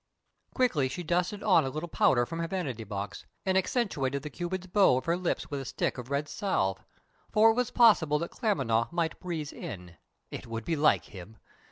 Quickly she dusted on a little powder from her vanity box, and accentuated the cupid's bow of her lips with a stick of red salve, for it was possible that Claremanagh might "breeze in." It would be like him!